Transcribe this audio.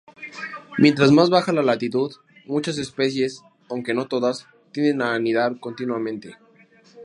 Mientras más baja la latitud, muchas especies, aunque no todas, tienden a anidar continuamente.